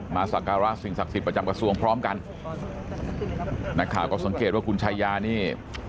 สักการะสิ่งศักดิ์สิทธิ์ประจำกระทรวงพร้อมกันนักข่าวก็สังเกตว่าคุณชายานี่